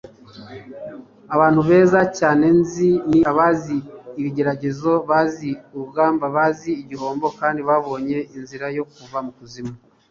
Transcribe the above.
abantu beza cyane nzi ni abazi ibigeragezo, bazi urugamba, bazi igihombo, kandi babonye inzira yo kuva ikuzimu